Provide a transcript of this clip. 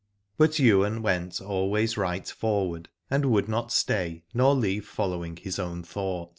But Ywain went always right forward and would not stay, nor leave following his own thought.